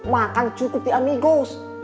makan cukup di amigos